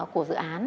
của dự án